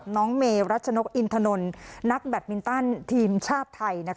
น้องเมรัชนกอินทนนท์นักแบตมินตันทีมชาติไทย